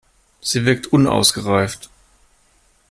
Sie wirkt unausgereift.